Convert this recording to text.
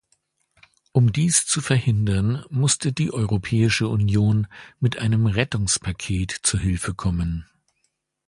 Um dies zu verhindern musste die Europäische Union mit einem Rettungspaket zur Hilfe kommen.